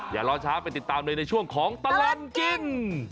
อย่ารอช้าไปติดตามเลยในช่วงของตลอดกิน